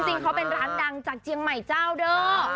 จริงเขาเป็นร้านดังจากเชียงใหม่เจ้าเด้อ